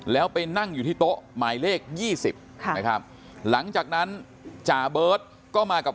แล้วไปนั่งอยู่ที่โต๊ะหมายเลข๒๐นะครับหลังจากนั้นจ่าเบิร์ตก็มากับ